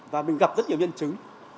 và mình gặp rất nhiều nhân chứng